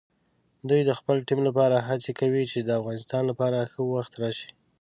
دوی د خپل ټیم لپاره هڅې کوي چې د افغانستان لپاره ښه وخت راشي.